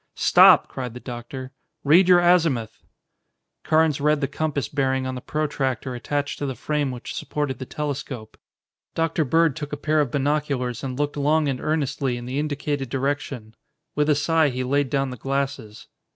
"Stop!" cried the doctor. "Read your azimuth." Carnes read the compass bearing on the protractor attached to the frame which supported the telescope. Dr. Bird took a pair of binoculars and looked long and earnestly in the indicated direction. With a sigh he laid down the glasses.